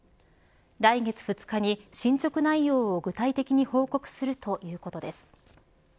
来月２日に進捗内容を具体的に報告するということです。